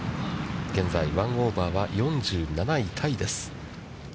現在、１オーバーは４７位タイです。